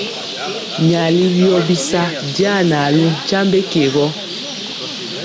Myali wyɔ bisa janalu nkyambe ke gɔ.